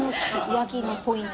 浮気のポイント。